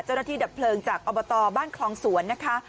เจ้าหน้าที่ดับเพลิงจากอบตบ้านคลองสวนนะคะ